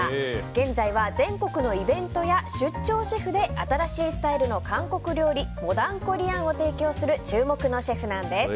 現在は、全国のイベントや出張シェフで新しいスタイルの韓国料理モダンコリアンを提供する注目のシェフなんです。